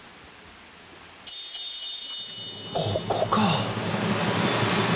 ここかあ。